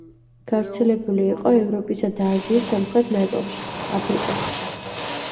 გავრცელებული იყო ევროპისა და აზიის სამხრეთ ნაწილში, აფრიკაში.